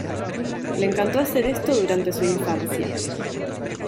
Le encantó hacer esto durante su infancia.